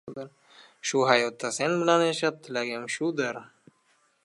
Shu hayotda sen bilan yashab, tilagim shudir –